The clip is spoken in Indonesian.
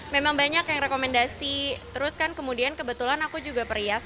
memang banyak yang rekomendasi terus kan kemudian kebetulan aku juga perias